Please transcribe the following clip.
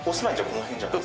この辺じゃない。